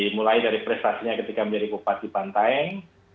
mulai dari prestasinya ketika menjadi bupati pantai